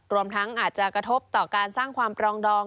รวมทั้งอาจจะกระทบต่อการสร้างความปรองดอง